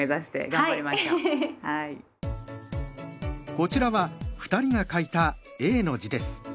こちらは２人が書いた「永」の字です。